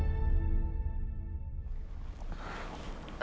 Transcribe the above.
saya udah nggak peduli